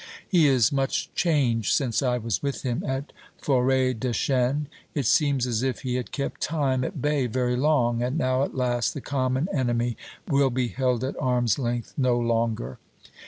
He is much changed since I was with him at Forêtdechêne. It seems as if he had kept Time at bay very long, and now at last, the common enemy will be held at arm's length no longer.